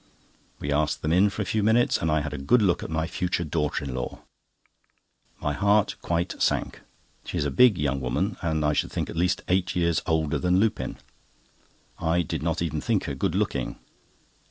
We asked them in for a few minutes, and I had a good look at my future daughter in law. My heart quite sank. She is a big young woman, and I should think at least eight years older than Lupin. I did not even think her good looking.